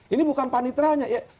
ini bukan panitera nya